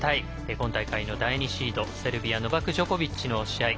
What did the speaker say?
今大会の第２シード、セルビアのノバク・ジョコビッチの試合。